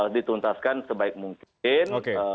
dituntaskan sebaik mungkin